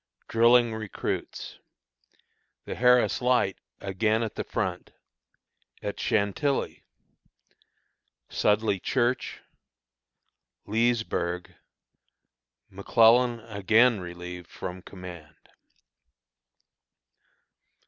Drilling Recruits. The Harris Light again at the Front. At Chantilly. Sudley Church. Leesburg. McClellan again Relieved from Command.